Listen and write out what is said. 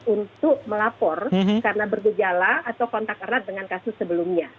untuk melapor karena bergejala atau kontak erat dengan kasus sebelumnya